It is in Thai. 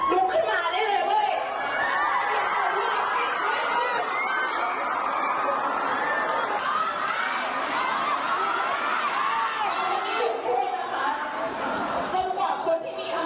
ลุกขึ้นมาได้เลยเว้ย